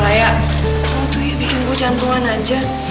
raya lu tuh ya bikin gue jantungan aja